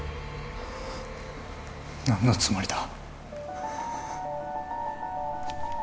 何のつもりだ？